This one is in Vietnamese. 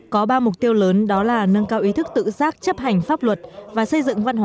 có ba mục tiêu lớn đó là nâng cao ý thức tự giác chấp hành pháp luật